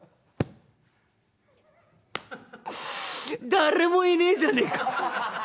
「誰もいねえじゃねえか」。